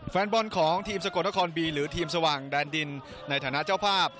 แฟนบอลของทีมสกลนครบีหรือทีมสว่างแดนดินในฐานะเจ้าภาพ